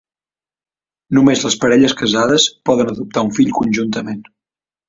Només les parelles casades poden adoptar un fill conjuntament.